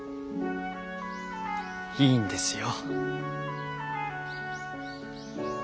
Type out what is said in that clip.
いいんですよ。